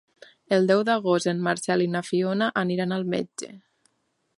El deu d'agost en Marcel i na Fiona aniran al metge.